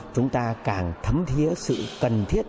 chúng ta càng thấm thiế sự cần thiết